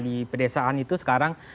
di pedesaan itu sekarang